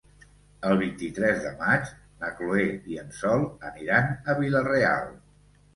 El vint-i-tres de maig na Chloé i en Sol aniran a Vila-real.